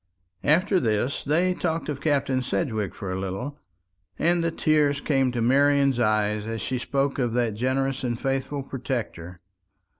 After this they talked of Captain Sedgewick for a little, and the tears came to Marian's eyes as she spoke of that generous and faithful protector.